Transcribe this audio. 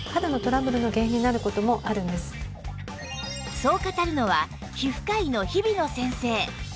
そう語るのは皮膚科医の日比野先生